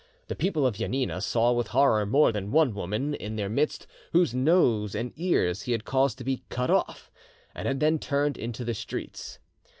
The people of Janina saw with horror more than one woman in their midst whose nose and ears he had caused to be cut off, and had then turned into the streets.